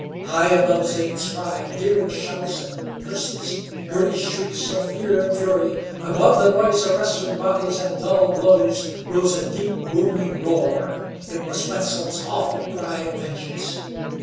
High above Zane's cry, Deering's shouts and curses, Girty's shrieks of fear and fury, above the noise of wrestling bodies and dull blows, rose a deep booming roar. It was Wetzel's awful cry of vengeance.